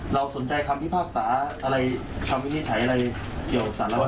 เราสนใจคำวิภาคศาอะไรคำวินิจฉัยอะไรเกี่ยวสารรัฐธรรมนูญ